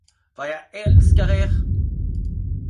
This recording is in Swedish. Vad jag älskar er!